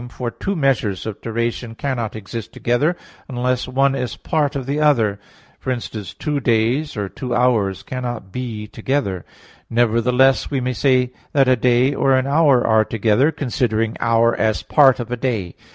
For two measures of duration cannot exist together, unless one is part of the other; for instance two days or two hours cannot be together; nevertheless, we may say that a day or an hour are together, considering hour as part of a day.